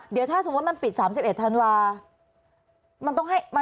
เดี๋ยวถ้าสมมุติมันปิด๓๑ธันวาคม